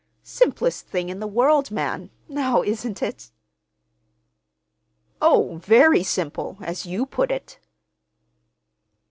Simplest thing in the world, man. Now isn't it?" "Oh, very simple—as you put it."